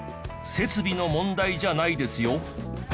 設備の問題じゃないですよ。